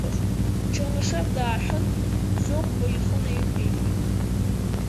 Чернышев дааҳәын, Зыхәба ихы наиқәикит.